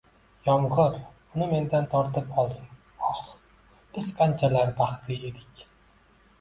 Yomg'ir! Uni mendan tortib olding, ohh! Biz qanchalar baxtli edik...